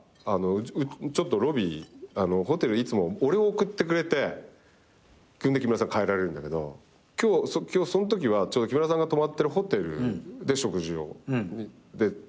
ちょっとロビーホテルいつも俺を送ってくれて木村さん帰られるんだけどそのときはちょうど木村さんが泊まってるホテルで食事を取って。